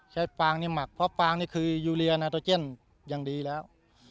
ฟางนี่หมักเพราะฟางนี่คือยูเรียนาโตเจนอย่างดีแล้ว